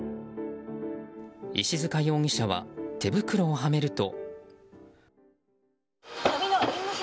石塚容疑者は手袋をはめると。